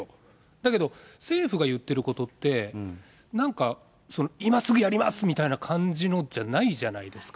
だけど、政府が言ってることって、なんか今すぐやりますみたいな感じのじゃないじゃないですか。